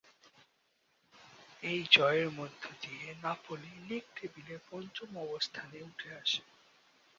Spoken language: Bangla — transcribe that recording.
এই জয়ের মধ্য দিয়ে নাপোলি লীগ টেবিলে পঞ্চম অবস্থানে উঠে আসে।